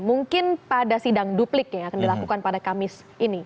mungkin pada sidang duplik yang akan dilakukan pada kamis ini